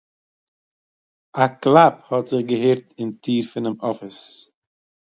אַ קלאַפּ האָט זיך געהערט אין טיר פונעם אָפיס